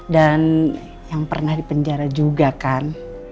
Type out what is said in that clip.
dan yang pernah dipenjara juga kan